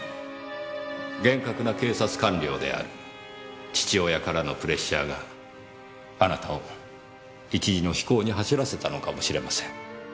厳格な警察官僚である父親からのプレッシャーがあなたを一時の非行に走らせたのかもしれません。